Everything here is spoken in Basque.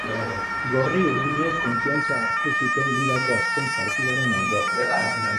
Gorri-urdinek konfiantza hartu zuten ligako azken partidaren ondoren.